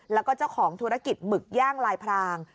แล้วก็เจ้าของธุรกิจหมึกย่างลายพราง